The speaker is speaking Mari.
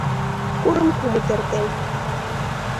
Курым кумыт эртен...